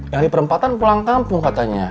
yang di perempatan pulang kampung katanya